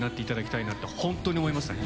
本当に思いましたね。